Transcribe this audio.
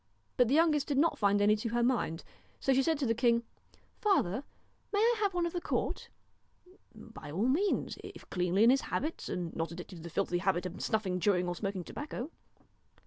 But the youngest did not find any to her mind, so she said to the king :' Father, may I have one of the court ?' 'By all means if cleanly in his habits, and not addicted to the filthy habit of snuffing, chewing, or smoking tobacco.'